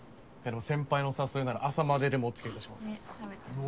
先輩のお誘いなら朝まででもおつきあいいたします。